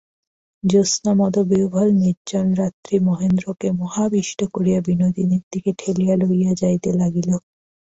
জ্যোৎস্নামদবিহ্বল নির্জন রাত্রি মহেন্দ্রকে মোহাবিষ্ট করিয়া বিনোদিনীর দিকে ঠেলিয়া লইয়া যাইতে লাগিল।